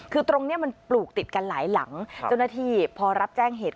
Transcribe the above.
คือตรงเนี้ยมันปลูกติดกันหลายหลังเจ้าหน้าที่พอรับแจ้งเหตุ